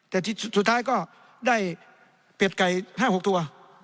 แต่สุดท้ายก็ได้เป็ดไก่๕๖ตัว